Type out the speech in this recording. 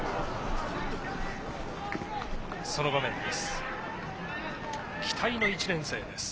その場面です。